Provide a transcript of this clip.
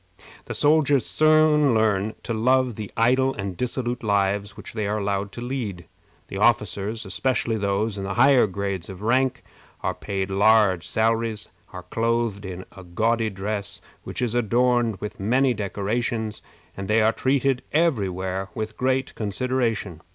The soldiers soon learn to love the idle and dissolute lives which they are allowed to lead. The officers, especially those in the higher grades of rank, are paid large salaries, are clothed in a gaudy dress which is adorned with many decorations, and they are treated every where with great consideration.